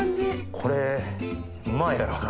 これうまいやろうな。